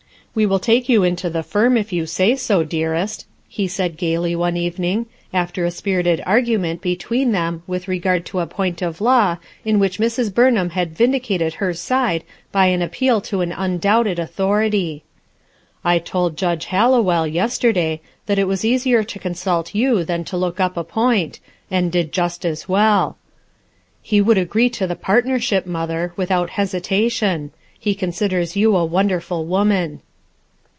"We will take you into the firm if you say so, dearest," he said gayly ono evening, after a spirited argument between them with regard to a point of law in which Mrs. Burziharn had vindi A SPOILED MOTHER 99 cated her side by an appeal to an undoubted authority. "I told Judge UaUowel], yesterday, that it was easier to consult you than to look up a point, antl dul J ust M well. He would agree to the partnership, mother, without hesitation; he considers you a wonderful woman.